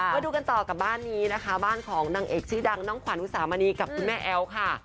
มาดูกันต่อกับบ้านนี้นะคะบ้านของนางเอกชื่อดังน้องขวัญอุสามณีกับคุณแม่แอ๋วค่ะ